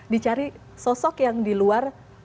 dicari sosok yang di luar